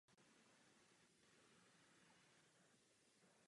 Spadají snad již do období slovanského.